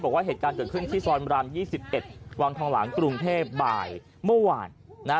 บอกว่าเหตุการณ์เกิดขึ้นที่ซอยมราม๒๑วังทองหลังกรุงเทพบ่ายเมื่อวานนะ